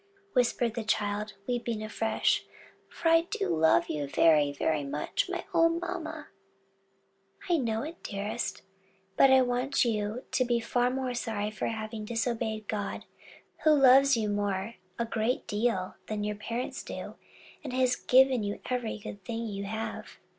whispered the child, weeping afresh: "for I do love you very, very much, my own mamma." "I know it, dearest; but I want you to be far more sorry for having disobeyed God, who loves you more, a great deal, than your parents do, and has given you every good thing you have."